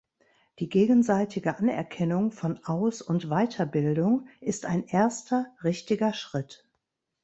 Die gegenseitige Anerkennung von Aus- und Weiterbildung ist ein erster richtiger Schritt.